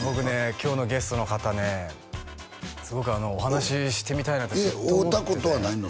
今日のゲストの方ねすごくお話ししてみたいなって会うたことはないの？